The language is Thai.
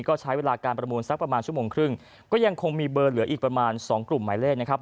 ก็ใช้เวลาการประมูลสักประมาณชั่วโมงครึ่งก็ยังคงมีเบอร์เหลืออีกประมาณสองกลุ่มหมายเลขนะครับ